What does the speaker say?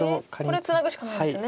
これツナぐしかないですよね。